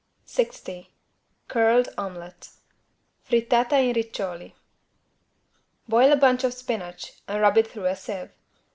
60 CURLED OMELET (Frittata in riccioli) Boil a bunch of spinach and rub it through a sieve.